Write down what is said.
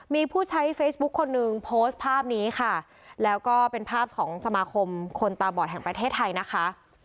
มีผู้ใช้เฟซบุ๊คคนนึงโพสต์ภาพนี้ค่ะแล้วก็เป็นภาพของสมาคมคนตาบอดแห่งประเทศไทยนะคะ